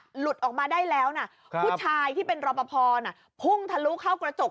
หลุดออกมาได้แล้วนะผู้ชายที่เป็นรอปภพุ่งทะลุเข้ากระจก